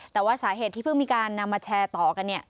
แต่ว่าสาเหตุที่เพิ่งมีการนำมาแชร์ต่อกันเนี่ย